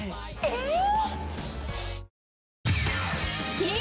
えっ！